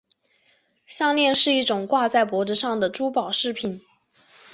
项链是一种挂在脖子上的珠宝饰品。